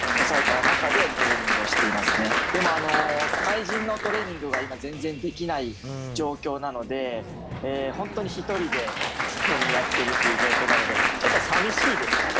でも対人のトレーニングが今全然できない状況なので本当に一人で常にやってるっていう状況なのでちょっと寂しいですかね。